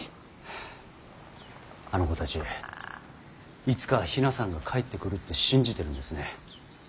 あの子たちいつか比奈さんが帰ってくるって信じてるんですね。